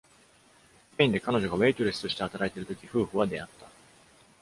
スペインで彼女がウェイトレスとして働いているとき、夫婦は出会った。